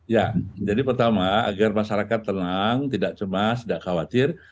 ya jadi pertama agar masyarakat tenang tidak cemas tidak khawatir